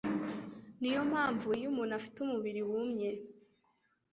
Niyo mpamvu iyo umuntu afite umubiri wumye